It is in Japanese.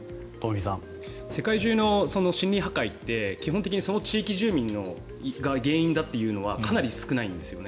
世界中の森林破壊って基本的にその地域住民が原因だというのはかなり少ないんですよね。